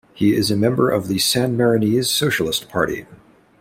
He is a member of the San Marinese Socialist Party.